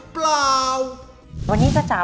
อยากเป็นคุณหมอเป็นพยาบาลอยากเป็นครู